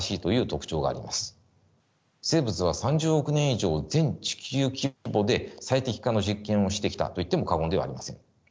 生物は３０億年以上全地球規模で最適化の実験をしてきたといっても過言ではありません。